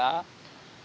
kemudian yang kedua